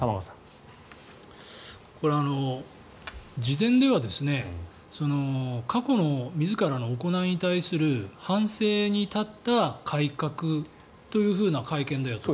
これ、事前では過去の自らの行いに対する反省に立った改革というふうな会見だよと。